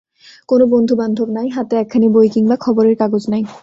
কোনো বন্ধুবান্ধব নাই, হাতে একখানি বই কিংবা খবরের কাগজ নাই।